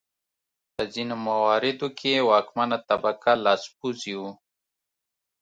په ځینو مواردو کې واکمنه طبقه لاسپوڅي وو.